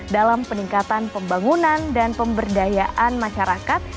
dalam peningkatan pembangunan dan pemberdayaan masyarakat